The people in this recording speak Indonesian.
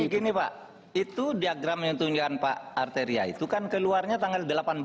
begini pak itu diagram yang tunjukkan pak arteria itu kan keluarnya tanggal delapan belas